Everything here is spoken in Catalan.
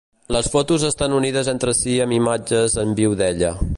Les fotos estan unides entre si amb imatges en viu d'ella.